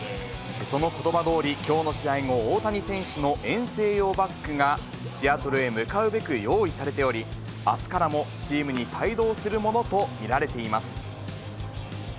そのことばどおり、きょうの試合後、大谷選手の遠征用バッグがシアトルへ向かうべく用意されており、あすからもチームに帯同するものと見られています。